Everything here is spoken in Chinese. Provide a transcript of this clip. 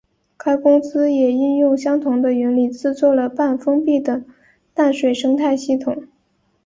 该公司也应用相同的原理制作了半封闭的淡水生态系统。